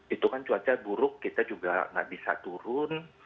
itu kan cuaca buruk kita juga nggak bisa turun